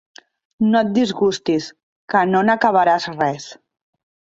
No et disgustis, que no n'acabaràs res.